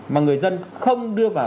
mà người dân không đưa vào